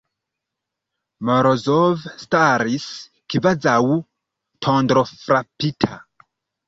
Morozov staris kvazaŭ tondrofrapita.